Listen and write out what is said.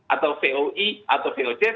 atau voi atau voc